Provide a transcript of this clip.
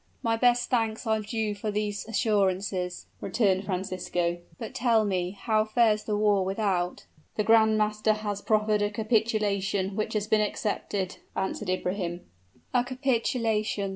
"My best thanks are due for these assurances," returned Francisco. "But tell me how fares the war without?" "The grand master has proffered a capitulation, which has been accepted," answered Ibrahim. "A capitulation!"